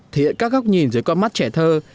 thể hiện các góc nhìn dưới con mắt trẻ thơ